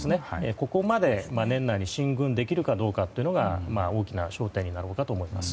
ここまで年内に進軍できるかどうかが大きな焦点になるかと思います。